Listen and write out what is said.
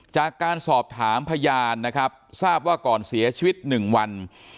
จากการสอบถามพยานนะครับทราบว่าก่อนเสียชีวิต๑วัน